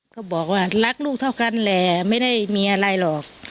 ก็บอกว่ารักลูกเท่ากันแหละไม่ได้มีอะไรหรอก